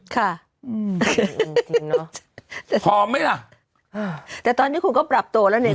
ค่ะพร้อมมั้ยล่ะแต่ตอนนี้คุณก็ปรับโตแล้วเนี่ย